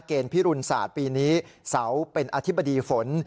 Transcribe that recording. พิรุณศาสตร์ปีนี้เสาเป็นอธิบดีฝน